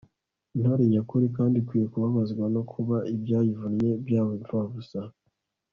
intore nyakuri kandi ikwiye kubabazwa no kuba ibyayivunnye byaba imfabusa